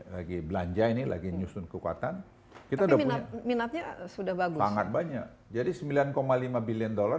lagi belanja ini lagi nyusun kekuatan kita minatnya sudah bagus banget banyak jadi sembilan lima billion dollar